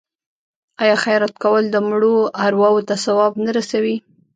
آیا خیرات کول د مړو ارواو ته ثواب نه رسوي؟